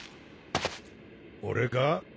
俺か？